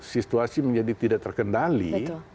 situasi menjadi tidak terkendali